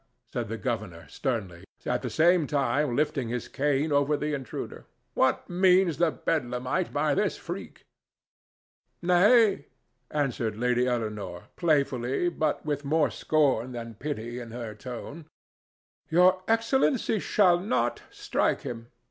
said the governor, sternly, at the same time lifting his cane over the intruder. "What means the Bedlamite by this freak?" "Nay," answered Lady Eleanore, playfully, but with more scorn than pity in her tone; "Your Excellency shall not strike him.